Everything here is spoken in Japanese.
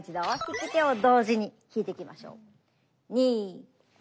引き手を同時に引いていきましょう。